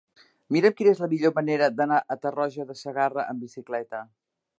Mira'm quina és la millor manera d'anar a Tarroja de Segarra amb bicicleta.